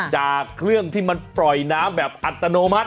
จากเครื่องที่มันปล่อยน้ำแบบอัตโนมัติ